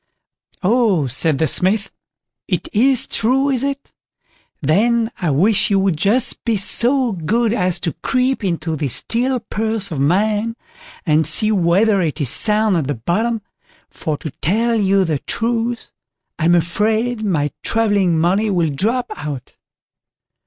"Oh!" said the Smith; "it is true, is it? then I wish you would just be so good as to creep into this steel purse of mine, and see whether it is sound at the bottom, for to tell you the truth, I'm afraid my travelling money will drop out."